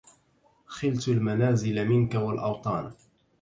خلت المنازل منك والأوطان